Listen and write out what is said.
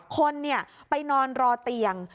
คนไปนอนรอเตียง